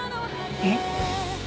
えっ？